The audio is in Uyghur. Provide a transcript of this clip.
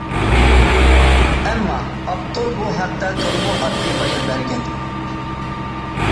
ئەمما ئاپتور بۇ ھەقتە تولىمۇ ئاددىي بايان بەرگەن.